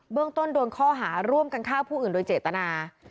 เรื่องต้นโดนข้อหาร่วมกันฆ่าผู้อื่นโดยเจตนา